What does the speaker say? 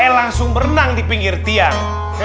e langsung berenang di pinggir tiang